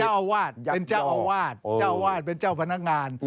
โดนในฐานะเป็นเจ้าวาดเป็นเจ้าพนักงาน